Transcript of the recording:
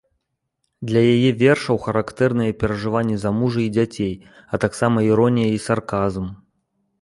Для яе вершаў характэрныя перажыванні за мужа і дзяцей, а таксама іронія і сарказм.